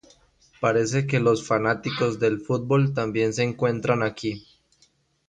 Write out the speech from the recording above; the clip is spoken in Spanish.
parece que los fanáticos del futbol también se encuentran aquí